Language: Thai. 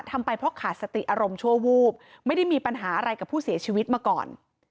ทำไปเพราะขาดสติอารมณ์ชั่ววูบไม่ได้มีปัญหาอะไรกับผู้เสียชีวิตมาก่อน